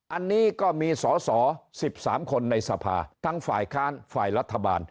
อันนี้ก็มีสอสอ๑๓คนในสภาทั้งฝ่ายค้านฝ่ายรัฐบาล